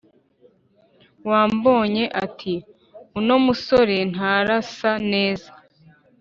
wambonye ati:“Uno musore ntarasa neza